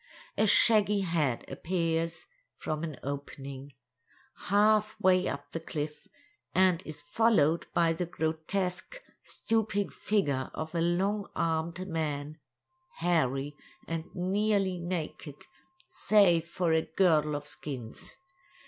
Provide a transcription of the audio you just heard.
A shaggy head appears from an opening, half way up the cliff, and is followed by the grotesque, stooping figure of a long armed man, hairy and nearly naked, save for a girdle of skins.